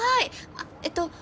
あっえっと